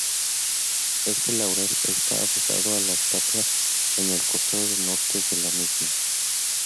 Este laurel está adosado a la estatua en el costado norte de la misma.